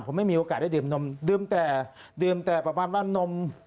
ผมไม่มีโอกาสได้ดื่มนมดื่มแต่นม